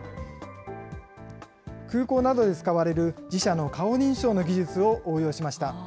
空港などで使われる自社の顔認証の技術を応用しました。